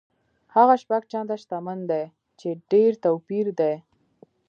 هغه شپږ چنده شتمن دی چې ډېر توپیر دی.